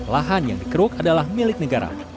lahan yang dikeruk adalah milik negara